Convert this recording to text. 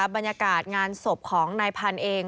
บรรยากาศงานศพของนายพันธุ์เอง